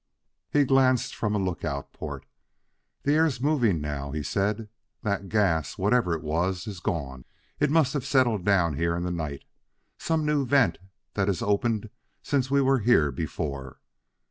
He glanced from a lookout port. "The air's moving now," he said. "That gas whatever it was is gone; it must have settled down here in the night. Some new vent that has opened since we were here before.